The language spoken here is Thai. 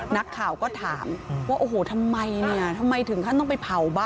นี่อ๋อคนนี้